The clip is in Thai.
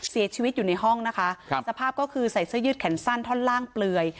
เสียชีวิตอยู่ในห้องนะคะครับสภาพก็คือใส่เสื้อยืดแขนสั้นท่อนล่างเปลือย